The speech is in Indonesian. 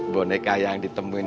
boneka yang ditemuin